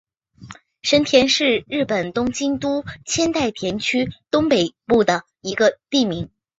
神田是日本东京都千代田区东北部的一个地名。